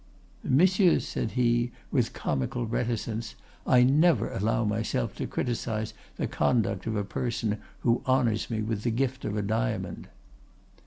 "'Monsieur,' said he, with comical reticence, 'I never allow myself to criticise the conduct of a person who honors me with the gift of a diamond.